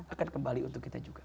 akan kembali untuk kita juga